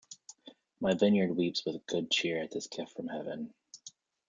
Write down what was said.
My vineyard weeps with good cheer at this gift from heaven.